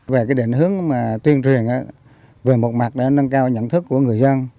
về cái định hướng mà tuyên truyền về một mặt là nâng cao nhận thức của người dân